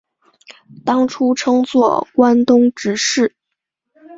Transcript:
当初称作关东执事。